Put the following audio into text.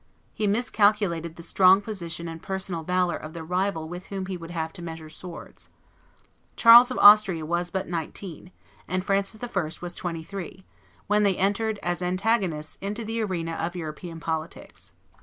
He miscalculated the strong position and personal valor of the rival with whom he would have to measure swords. Charles of Austria was but nineteen, and Francis I. was twenty three, when they entered, as antagonists, into the arena of European politics.